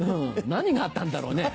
何があったんだろうね。